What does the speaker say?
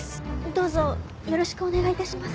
どうぞよろしくお願い致します。